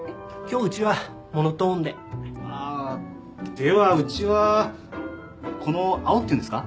ではうちはこの青っていうんですか？